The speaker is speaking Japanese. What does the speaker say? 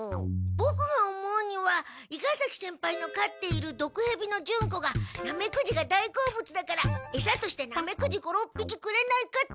ボクが思うには伊賀崎先輩のかっているドクヘビのジュンコがナメクジが大好物だからエサとしてナメクジ５６匹くれないかって。